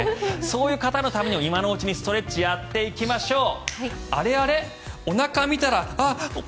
そういう方のために今のうちにストレッチやっていきましょう。